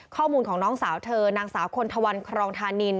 ข้อมูลของน้องสาวเธอนางสาวคนทวันครองธานิน